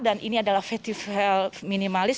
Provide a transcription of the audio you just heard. dan ini adalah festival minimalis